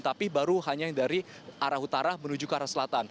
tapi baru hanya yang dari arah utara menuju ke arah selatan